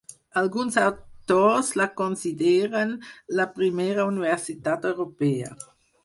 Alguns autors la consideren la primera universitat europea.